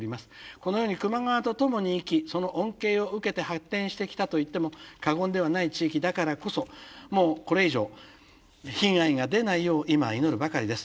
このように球磨川と共に生きその恩恵を受けて発展してきたと言っても過言ではない地域だからこそもうこれ以上被害が出ないよう今は祈るばかりです。